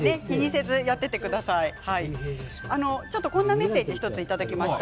メッセージを１ついただきました。